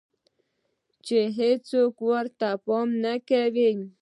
چې هيڅوک ورته پام نۀ کوي